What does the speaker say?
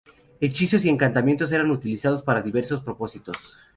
Hechizos y encantamientos eran utilizados para diversos propósitos.